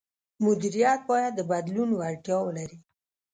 مدیریت باید د بدلون وړتیا ولري.